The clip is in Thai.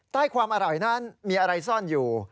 ใต้ความอร่อยนั้นมีอะไรซ่อนอยู่